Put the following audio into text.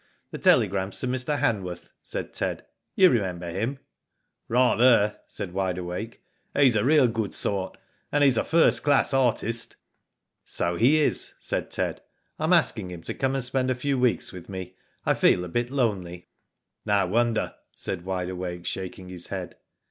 "The telegram's to Mr. Hanworth," said Ted, "You remember him." "Rather," said Wide Awake. "He's a real good sort, and he's a first class artist." " So he is," said Ted. „ I'm asking him to come and spend a few weeks with me, I feel a bit lonely." " No wonder," said Wide Awake, shaking his head.